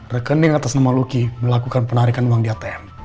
rekening atas nama luki melakukan penarikan uang di atm